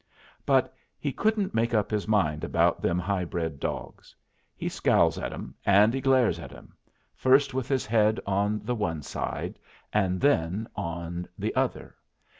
But he couldn't make up his mind about them high bred dogs. He scowls at 'em, and he glares at 'em, first with his head on the one side and then on the other.